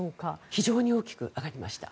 非常に大きく上がりました。